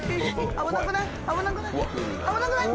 危なくない？